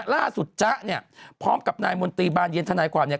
จ๊ะเนี่ยพร้อมกับนายมนตรีบานเย็นทนายความเนี่ย